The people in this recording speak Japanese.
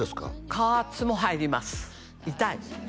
加圧も入ります痛い